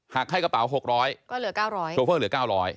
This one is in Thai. หักให้กระเป๋า๖๐๐โชเฟอร์เหลือ๙๐๐